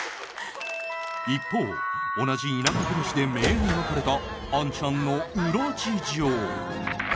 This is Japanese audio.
一方同じ田舎暮らしで明暗分かれたアンちゃんの裏事情。